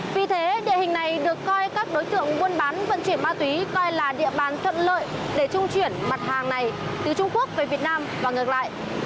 vì thế địa hình này được coi các đối tượng buôn bán vận chuyển ma túy coi là địa bàn thuận lợi để trung chuyển mặt hàng này từ trung quốc về việt nam và ngược lại